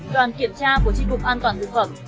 đoàn kiểm tra của tri cục an toàn thực phẩm